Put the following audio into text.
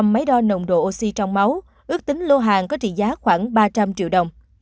sáu trăm linh máy đo nồng độ oxy trong máu ước tính lô hàng có trị giá khoảng ba trăm linh triệu đồng